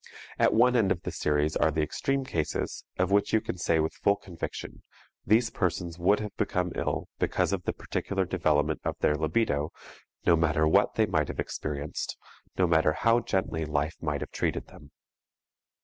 At one end of the series are the extreme cases, of which you can say with full conviction: These persons would have become ill because of the peculiar development of their libido, no matter what they might have experienced, no matter how gently life might have treated them.